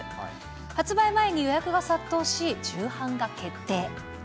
発売前に予約が殺到し、重版が決定。